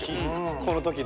この時の。